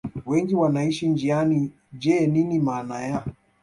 wengi wanaishia njiani je nini maana ya